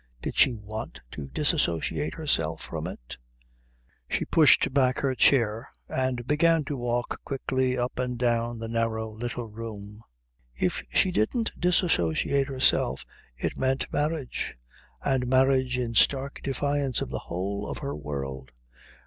Did she want to disassociate herself from it? She pushed back her chair, and began to walk quickly up and down the narrow little room. If she didn't disassociate herself it meant marriage; and marriage in stark defiance of the whole of her world.